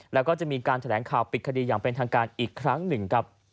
แล้วก็จะมีการแถลงข่าวปิดคดีอย่างเป็นทางการอีกครั้งหนึ่งครับ